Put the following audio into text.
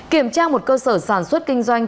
kiểm tra một cơ sở sản xuất kinh doanh